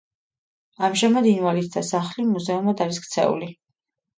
ამჟამად ინვალიდთა სახლი მუზეუმად არის ქცეული.